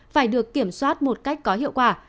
phải được kiểm soát một cách có hiệu quả